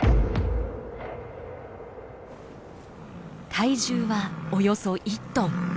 体重はおよそ１トン。